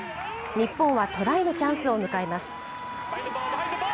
日本はトライのチャンスを迎えます。